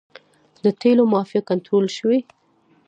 د تیلو مافیا کنټرول شوې؟